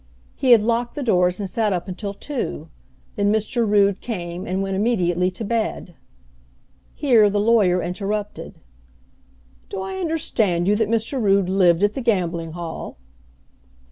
He had locked the doors and sat up until two. Then Mr. Rood came, and went immediately to bed. Here the lawyer interrupted, "Do I understand you that Mr. Rood lived at the gambling hall?"